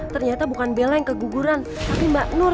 ternyata bukan bela yang keguguran tapi mbak nur